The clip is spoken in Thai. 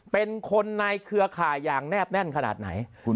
เป็นคนในเครือข่ายอย่างแนบแน่นขนาดไหน